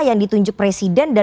yang ditunjukkan oleh pemerintahan